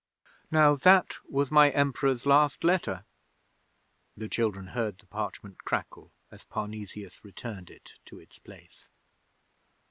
_" 'Now, that was my Emperor's last letter.' (The children heard the parchment crackle as Parnesius returned it to its place.)